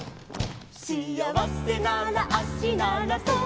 「しあわせなら足ならそう」